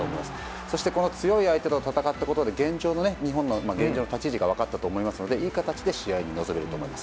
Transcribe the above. そして強い相手と戦ったことで日本の現状の立ち位置が分かったと思いますのでいい形で試合に臨めると思います。